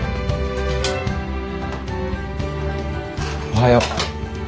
おはよう。